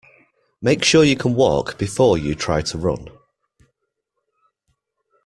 Make sure you can walk before you try to run.